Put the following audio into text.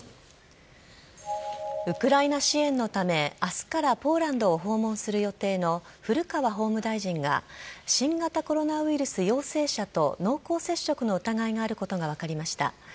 ウクライナ支援のため明日からポーランドを訪問する予定の古川法務大臣が新型コロナウイルス陽性者と濃厚接触の疑いがあることが分かりました。